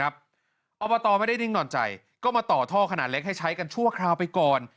อบตไม่ได้นิ่งนอนใจก็มาต่อท่อขนาดเล็กให้ใช้กันชั่วคราวไปก่อน